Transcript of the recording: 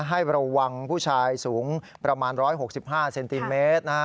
ให้ระวังผู้ชายสูงประมาณ๑๖๕เซนติเมตร